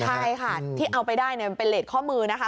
ใช่ค่ะที่เอาไปได้มันเป็นเลสข้อมือนะคะ